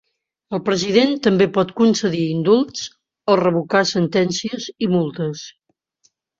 El president també pot concedir indults o revocar sentències i multes.